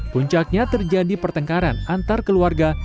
puncaknya terjadi pertengkaran antar keluarga